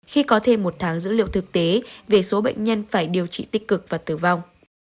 khi có thêm một tháng dữ liệu thực tế về số bệnh nhân phải điều trị tích cực và tử vong